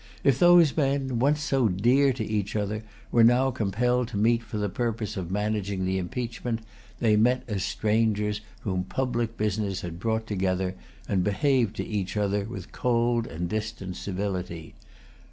If those men, once so dear to each other, were now compelled to meet for the purpose of managing the impeachment, they met as strangers whom public business had brought together, and behaved to each other with cold and distant civility.